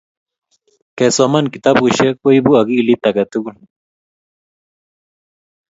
kesoman kitabushe koibu akilit age tugul